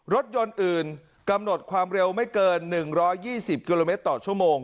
รถยนต์อื่นกำหนดความเร็วไม่เกิน๑๒๐กิโลเมตรต่อชั่วโมง